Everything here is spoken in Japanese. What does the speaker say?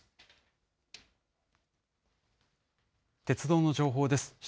鉄道の情報です。